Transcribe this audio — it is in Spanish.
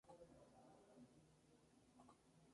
Murieron cantando el Te Deum.